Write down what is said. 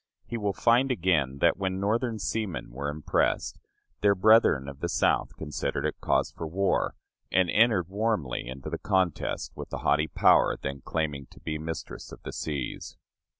He will find again, that, when Northern seamen were impressed, their brethren of the South considered it cause for war, and entered warmly into the contest with the haughty power then claiming to be mistress of the seas.